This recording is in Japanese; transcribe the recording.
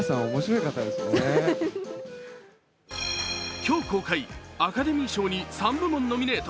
今日公開、アカデミー賞に３部門ノミネート。